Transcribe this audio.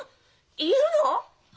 いるの？